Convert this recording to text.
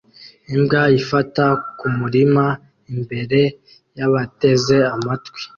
Imbwa ifata kumurima imbere yabateze amatwi